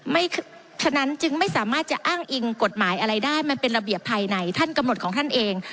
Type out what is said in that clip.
เพราะฉะนั้นจึงไม่สามารถจะอ้างอิงกฎหมายอะไรได้มันเป็นระเบียบภายในท่านกำหนดของท่านเอง